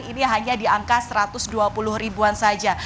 ini hanya di angka satu ratus dua puluh ribuan saja